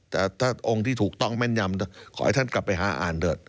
แต่ถ้าองค์ที่ถูกต้องแม่นยำขอให้ท่านกลับไปหาอ่านเถอะ